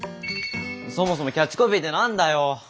そもそもキャッチコピーって何だよ！？